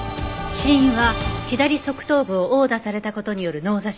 死因は左側頭部を殴打された事による脳挫傷。